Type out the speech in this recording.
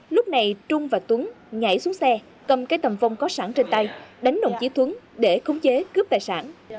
lúc này trung và tuấn nhảy xuống xe cầm cái tầm vông có sẵn trên tay đánh đồng chí thuấn để khống chế cướp tài sản